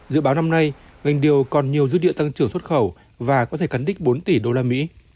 dự báo năm nay ngành điều còn nhiều dư địa tăng trưởng xuất khẩu và có thể cắn đích bốn tỷ usd